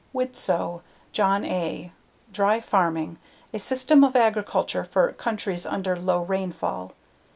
Widtsoe, John A. _Dry Farming: A System of Agriculture for Countries Under Low Rainfall.